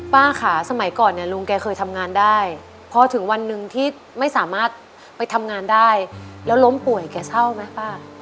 ป้าค่ะสมัยก่อนเนี่ยลุงแกเคยทำงานได้พอถึงวันหนึ่งที่ไม่สามารถไปทำงานได้แล้วล้มป่วยแกเศร้าไหมป้า